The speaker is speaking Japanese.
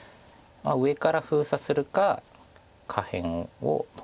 上から封鎖するか下辺を止めるか。